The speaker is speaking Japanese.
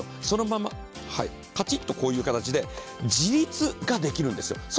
そのままカチッとこういう形で自立ができるんですよ。